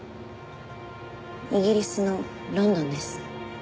イギリスのロンドンです。